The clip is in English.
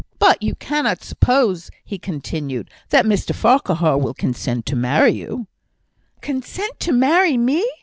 "But you cannot suppose," he continued, "that Mr Farquhar will consent to marry you " "Consent to marry me!"